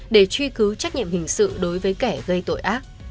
để truy cứu trách nhiệm hình sự đối với kẻ gây tội ác